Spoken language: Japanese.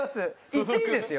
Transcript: １位ですよ。